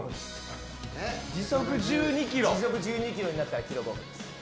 時速１２キロになったらキロ５分です。